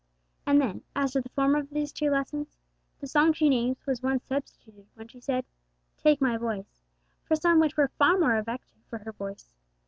And then, as to the former of these two 'lessons,' the song she names was one substituted when she said, 'Take my voice,' for some which were far more effective for her voice.